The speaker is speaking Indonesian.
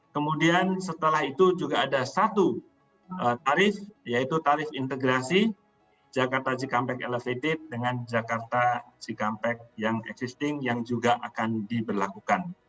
kemudian setelah itu juga ada satu tarif yaitu tarif integrasi jakarta cikampek elevated dengan jakarta cikampek yang existing yang juga akan diberlakukan